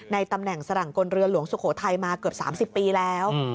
ตำแหน่งสรังกลเรือหลวงสุโขทัยมาเกือบ๓๐ปีแล้ว